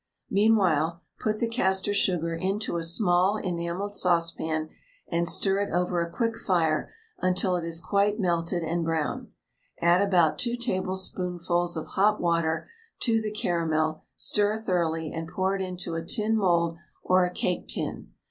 Meanwhile put the castor sugar into a small enamelled saucepan and stir it over a quick fire until it is quite melted and brown. Add about 2 tablespoonfuls of hot water to the caramel, stir thoroughly, and pour it into a tin mould or a cake tin.